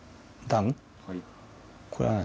これは何？